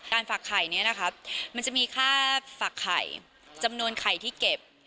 ฝักไข่นี้นะครับมันจะมีค่าฝักไข่จำนวนไข่ที่เก็บ